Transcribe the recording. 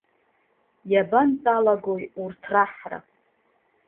Иабантә-алагои урҭ раҳра?